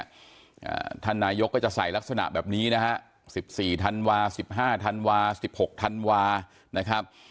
อ่าท่านนายกก็จะใส่ลักษณะแบบนี้นะฮะสิบสี่ธันวาสิบห้าธันวาสิบหกธันวานะครับ